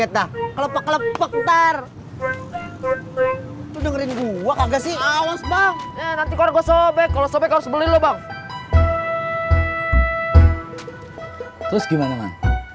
terus gimana man